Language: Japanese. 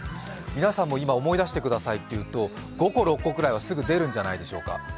皆さんも今思い出してくださいっていうと、５６個ぐらいはすぐ出るんじゃないでしょうか。